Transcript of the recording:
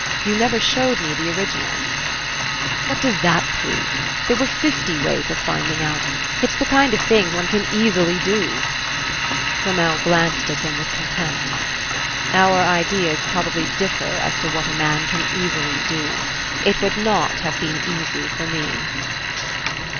You never showed me the originals." "What does that prove? There were fifty ways of finding out. It's the kind of thing one can easily do." Flamel glanced at him with contempt. "Our ideas probably differ as to what a man can easily do. It would not have been easy for me."